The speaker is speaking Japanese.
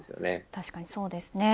確かにそうですね。